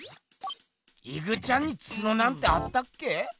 イグちゃんにツノなんてあったっけ？